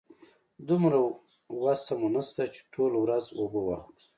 دومره وسه مو نشته چې ټوله ورځ اوبه واخلو.